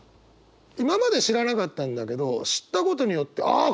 今まで知らなかったんだけど知ったことによってあっ